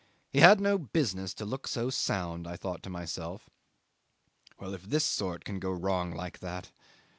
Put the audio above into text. He had no business to look so sound. I thought to myself well, if this sort can go wrong like that